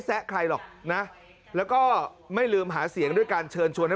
แซะใครหรอกนะแล้วก็ไม่ลืมหาเสียงด้วยการเชิญชวนให้